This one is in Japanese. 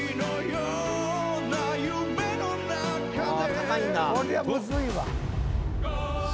高いんだ。